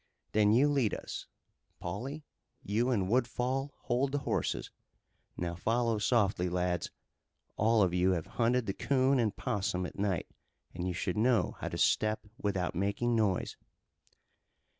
"Then you lead us. Pawley, you and Woodfall hold the horses. Now follow softly, lads! All of you have hunted the 'coon and 'possum at night, and you should know how to step without making noise."